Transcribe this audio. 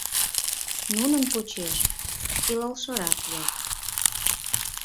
Нунын почеш — илалшырак-влак.